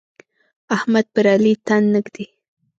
احمد پر علي تن نه ږدي.